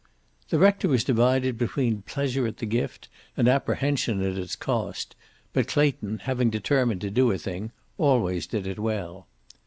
The rector was divided between pleasure at the gift and apprehension at its cost, but Clayton, having determined to do a thing, always did it well.